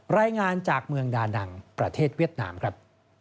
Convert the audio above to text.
รายงานจากเมืองดานังประเทศเวียดนามครับ